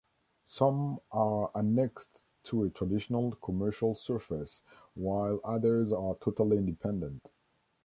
Some are annexed to a traditional commercial surface, while others are totally independent.